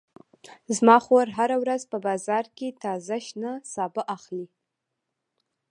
زما خور هره ورځ په بازار کې تازه شنه سابه اخلي